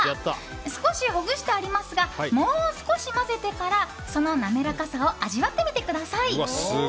少しほぐしてありますがもう少し混ぜてからその滑らかさを味わってみてください！